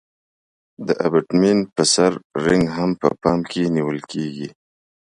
د ابټمنټ په سر رینګ هم په پام کې نیول کیږي